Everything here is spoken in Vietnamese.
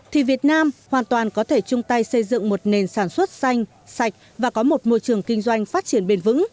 thì việt nam hoàn toàn có thể chung tay xây dựng một nền sản xuất xanh sạch và có một môi trường kinh doanh phát triển bền vững